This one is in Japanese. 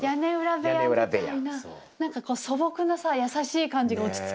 屋根裏部屋みたいな何かこう素朴なさ優しい感じが落ち着くね。